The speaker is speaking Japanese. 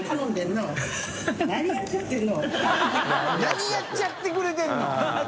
「何やっちゃってくれてんの？」